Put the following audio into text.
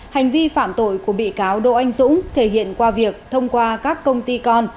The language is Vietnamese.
hành vi phạm tội của bị cáo đỗ anh dũng thể hiện qua việc thông qua các công ty con